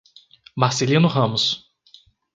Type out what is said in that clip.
Marcelino Ramos